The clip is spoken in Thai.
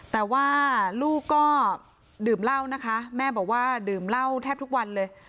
แต่ว่าลูกก็ดื่มเหล้านะคะแม่บอกว่าดื่มเหล้าแทบทุกวันเลย